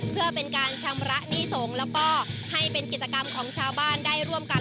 เพื่อเป็นการชำระหนี้สงฆ์แล้วก็ให้เป็นกิจกรรมของชาวบ้านได้ร่วมกัน